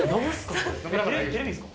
テレビですか？